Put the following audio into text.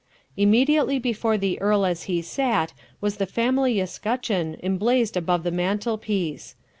Immediately before the earl as he sat was the family escutcheon emblazoned above the mantelpiece.